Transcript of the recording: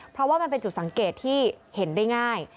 เพราะว่ามันเป็นจุดสังเกตที่เห็นได้ง่าย